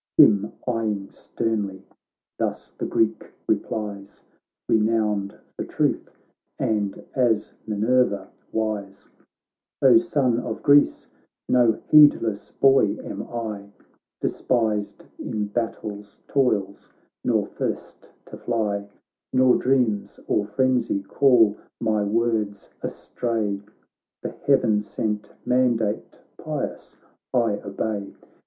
' Him eyeing sternly, thus the Greek replies, Renowned for truth, and as Minerva wise; ' O Son of Greece, no heedless boy am I, Despised in battle's toils, nor first to fly, Nor dreams or frenzy call my words astray. The heaven sent mandate pious I obey.